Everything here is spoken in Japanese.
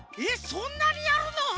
そんなにやるの？